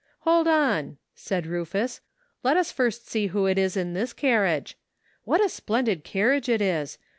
"Hold on," said Rufus, "let us first see who is in this carriage. What a splendid carriage it is.